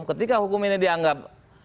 ketika hukum ini dianggap